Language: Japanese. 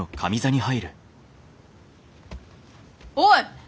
おい！